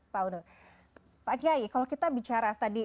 pak kiai kalau kita bicara tadi